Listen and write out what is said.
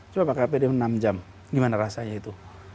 coba pakai apd enam jam gimana rasanya itu